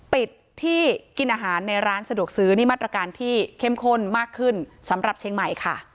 ปิดที่กินอาหารในร้านสะดวกซื้อนี่มาตรการที่เข้มข้นมากขึ้นสำหรับเชียงใหม่ค่ะ